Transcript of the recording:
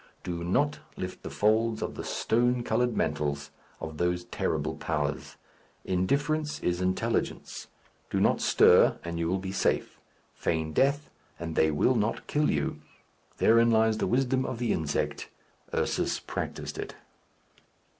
Do not lift the folds of the stone coloured mantles of those terrible powers. Indifference is intelligence. Do not stir, and you will be safe. Feign death, and they will not kill you. Therein lies the wisdom of the insect. Ursus practised it.